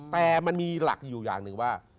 แต่มันมีหลักอยู่อย่างหนึ่งว่า